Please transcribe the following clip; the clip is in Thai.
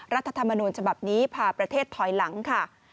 รัฐธรรมนูญฉบับนี้พาประเทศถอยหลังค่ะ